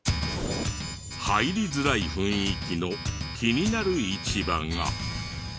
入りづらい雰囲気の気になる市場が。